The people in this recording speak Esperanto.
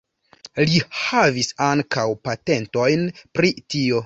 Li havis ankaŭ patentojn pri tio.